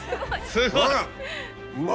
すごい。